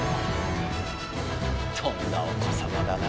とんだお子様だな。